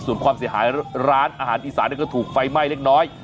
ส่วนความเสียหายร้านอาหารอีสานก็ถูกไฟไหม้เล็กน้อย